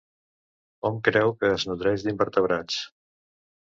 Hom creu que es nodreix d'invertebrats.